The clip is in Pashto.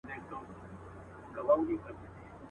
د قلا تر جګ دېواله یې راوړی.